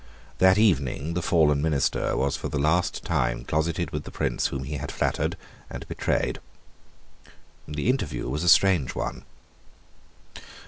That evening the fallen minister was for the last time closeted with the Prince whom he had flattered and betrayed. The interview was a strange one.